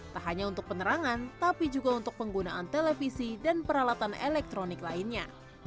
tak hanya untuk penerangan tapi juga untuk penggunaan televisi dan peralatan elektronik lainnya